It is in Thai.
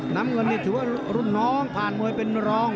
น้ำเงินนี่ถือว่ารุ่นน้องผ่านมวยเป็นรอง